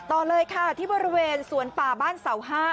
ต่อเลยค่ะที่บริเวณสวนป่าบ้านเสา๕